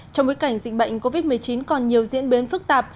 trong bối cảnh dịch bệnh covid một mươi chín còn nhiều diễn biến phức tạp